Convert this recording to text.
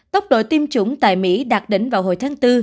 tốc độ tiêm chủng tại mỹ đạt đỉnh vào hồi tháng bốn